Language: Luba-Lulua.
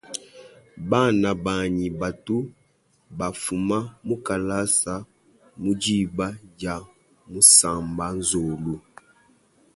Bana banyi batu ba fuma mukalasa mudiba dia musamba nzolu.